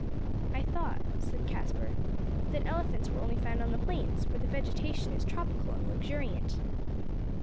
"I thought," said Caspar, "that elephants were only found on the plains, where the vegetation is tropical and luxuriant."